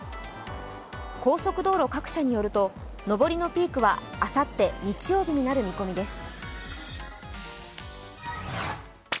高速道路各社によると上りのピークはあさって日曜日になる見込みです。